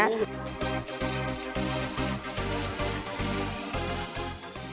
ini hidangan spesial